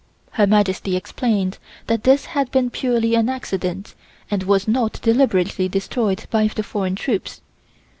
Her Majesty explained that this had been purely an accident and was not deliberately destroyed by the foreign troops.